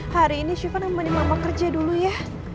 hari ini syufa namanya mama kerja dulu ya